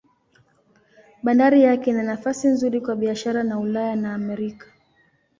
Bandari yake ina nafasi nzuri kwa biashara na Ulaya na Amerika.